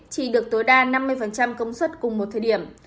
chỉ được tối đa năm mươi công suất cùng một thời điểm